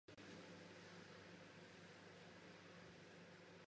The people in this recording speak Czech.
V českém jazyce vydává díly nakladatelství Triton.